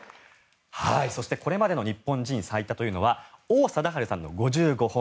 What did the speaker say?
そして、これまでの日本人最多というのは王貞治さんの５５本。